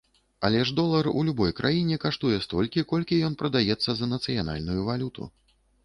Але ж долар у любой краіне каштуе столькі, колькі ён прадаецца за нацыянальную валюту.